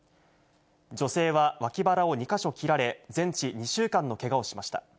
女性はわき腹を２か所切られ、全治２週間のけがをしました。